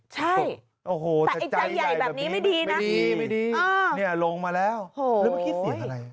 ใช่แต่ไอ้ใจใหญ่แบบนี้ไม่ดีนะดีไม่ดีเนี่ยลงมาแล้วแล้วเมื่อกี้เสียงอะไร